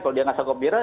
kalau dia gak sokok viral